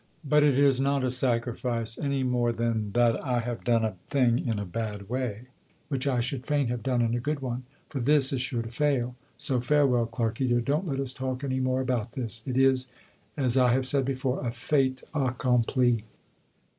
But it is not a sacrifice any more than that I have done a thing in a bad way, which I should fain have done in a good one. For this is sure to fail. So farewell, Clarkey dear, don't let us talk any more about this. It is, as I said before, a fait accompli.